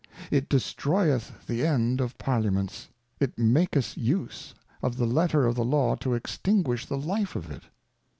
It destroyeth the end of Parliaments, it maketh use of the Letter of the Law to extinguish the Life of it.